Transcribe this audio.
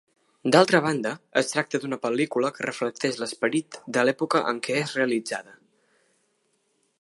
D'altra banda, es tracta d'una pel·lícula que reflecteix l'esperit de l'època en què és realitzada.